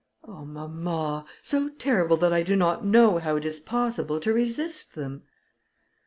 "Oh, mamma! so terrible that I do not know how it is possible to resist them."